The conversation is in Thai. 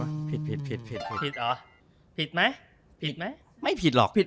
ให้ผิดภิษหรอผิดมั้ยผิดมั้ยไม่ผิดหรอกผิด